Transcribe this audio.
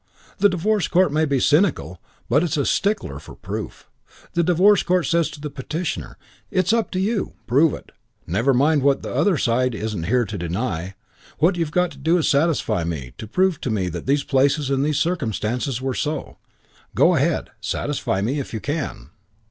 The Divorce Court may be cynical, but it's a stickler for proof. The Divorce Court says to the petitioner, 'It's up to you. Prove it. Never mind what the other side isn't here to deny. What you've got to do is to satisfy me, to prove to me that these places and these circumstances were so. Go ahead. Satisfy me if you can.'